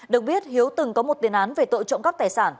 được biết hiếu từng có một tiền án về tội trộm cắp tài sản